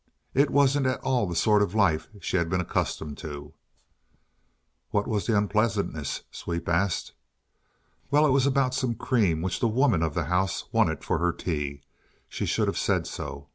It wasn't at all the sort of life she had been accustomed to." "What was the unpleasantness?" Sweep asked. "Well, it was about some cream which the woman of the house wanted for her tea. She should have said so.